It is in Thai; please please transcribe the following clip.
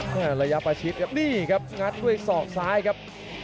กระโดยสิ้งเล็กนี่ออกกันขาสันเหมือนกันครับ